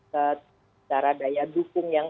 secara daya dukung yang